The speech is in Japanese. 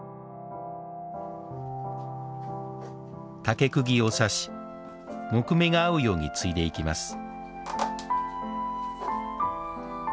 竹釘を刺し、木目が合うように継いでいきます。